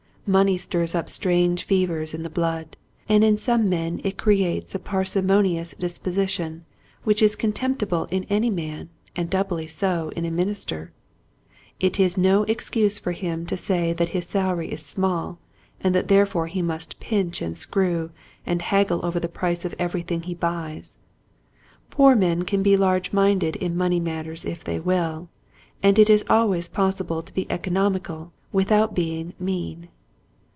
Money stirs up strange fevers in the blood and in some men it creates a parsimonious disposition which is contemptible in any man and doubly so in a minister. It is no excuse for him to say that his salary is small, and that there fore he must pinch and screw, and haggle over the price of everything he buys. Poor men can be large minded in money matters if they will, and it is always pos sible to be economical without being mean.